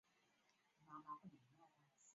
欧迈尼斯还为雅典卫城建造欧迈尼斯柱廊。